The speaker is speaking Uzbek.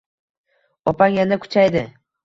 Oppang yana kuchaydi.